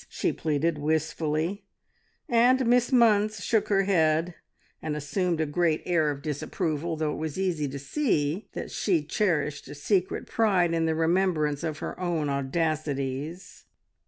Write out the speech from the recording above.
she pleaded wistfully, and Miss Munns shook her head, and assumed a great air of disapproval, though it was easy to see that she cherished a secret pride in the remembrance of her own audacities.